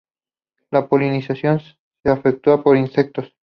La polinización es efectuada por insectos.